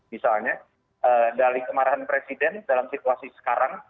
misalnya dari kemarahan presiden dalam situasi sekarang